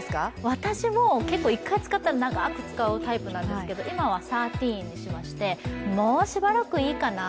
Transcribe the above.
私も１回使ったら長く使うタイプなんですけど、今は１３にしまして、もうしばらくいいかな。